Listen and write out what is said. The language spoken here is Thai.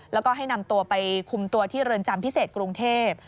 แล้วก็ให้นำตัวไปคุมตัวที่เรือนจำพิเศษกรุงเทพ